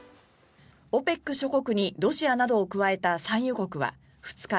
ＯＰＥＣ諸国にロシアなどを加えた産油国は２日